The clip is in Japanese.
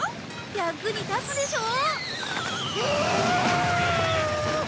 役に立つでしょ？